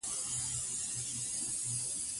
خاوره د افغان تاریخ په کتابونو کې ذکر شوي دي.